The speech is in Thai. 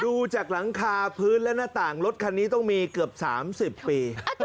ดูจากหลังคาพื้นและหน้าต่างรถคันนี้ต้องมีเกือบ๓๐ปี